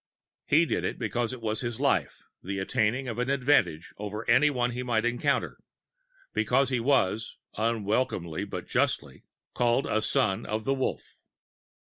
He did it because it was his life, the attaining of an advantage over anyone he might encounter; because he was (unwelcomely but justly) called a Son of the Wolf.